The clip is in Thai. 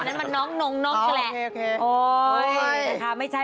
อันนั้นมันน้องนกเฉละ